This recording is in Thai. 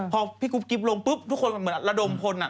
พอพี่กุ๊บกิ๊บลงปุ๊บทุกคนเหมือนระดมพนธ์น่ะ